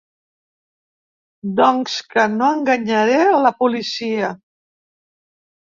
Doncs que no enganyaré la policia.